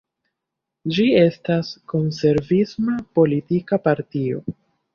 Ĝi estas konservisma politika partio.